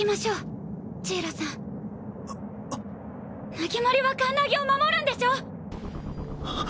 ナギモリはカンナギを守るんでしょ⁉はっ。